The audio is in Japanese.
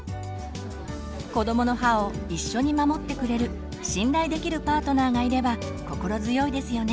子どもの歯を一緒に守ってくれる信頼できるパートナーがいれば心強いですよね。